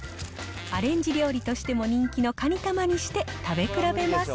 アレンジ料理としても人気のカニ玉にして食べ比べます。